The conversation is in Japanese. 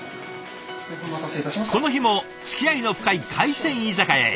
この日もつきあいの深い海鮮居酒屋へ。